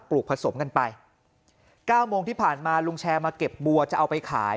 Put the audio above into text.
ลูกผสมกันไป๙โมงที่ผ่านมาลุงแชร์มาเก็บบัวจะเอาไปขาย